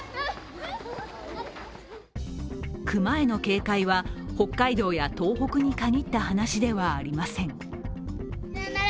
熊への警戒は、北海道や東北に限った話ではありません。